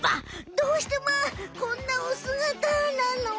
どうしてまあこんなおすがたなの？